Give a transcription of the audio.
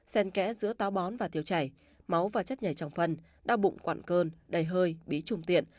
xen kẽ giữa táo bón và tiêu chảy máu và chất nhảy trong phân đau bụng quặn cơn đầy hơi bí trùng tiện